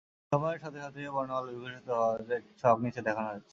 সময়ের সাথে সাথে বর্ণমালা বিকশিত হওয়ার ছক নিচে দেখানো হয়েছে।